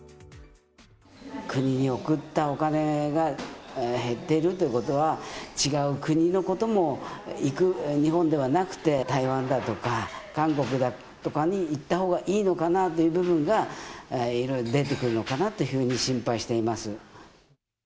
国に送ったお金が減ってるということは、違う国のことも行く、日本ではなくて、台湾だとか、韓国だとかに行ったほうがいいのかなという部分がいろいろ出てくるのかなというふうに心配しています。